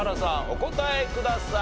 お答えください。